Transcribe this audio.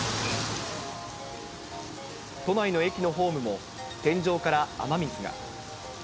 都内の駅のホームも、天井から雨水が。